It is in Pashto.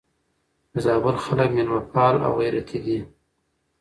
د زابل خلک مېلمه پال او غيرتي دي.